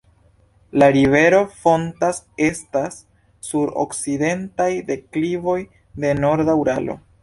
La rivero fontas estas sur okcidentaj deklivoj de Norda Uralo.